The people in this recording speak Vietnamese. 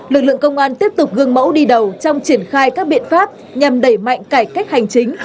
lực lượng công an tiếp tục gương mẫu đi đầu trong triển khai các biện pháp nhằm đẩy mạnh cải cách hành chính